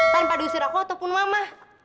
tanpa diusir aku ataupun mama